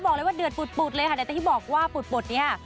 บอกเลยว่าเดือดปุดเลยค่ะแต่ที่บอกว่าปุดเนี่ย